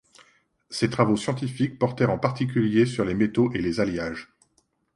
Ces travaux scientifiques portèrent en particulier sur les métaux et les alliages.